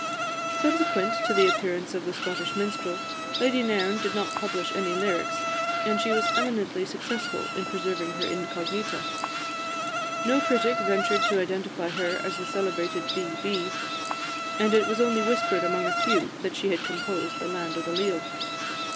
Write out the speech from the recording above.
Subsequent to the appearance of "The Scottish Minstrel," Lady Nairn did not publish any lyrics; and she was eminently successful in preserving her incognita. No critic ventured to identify her as the celebrated "B. B.," and it was only whispered among a few that she had composed "The Land o' the Leal."